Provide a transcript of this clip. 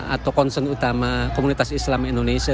atau concern utama komunitas islam indonesia